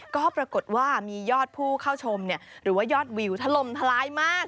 ก็ปรากฏว่ามียอดผู้เข้าชมหรือว่ายอดวิวทะลมทลายมาก